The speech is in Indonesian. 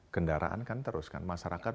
kendaraan kan terus masyarakat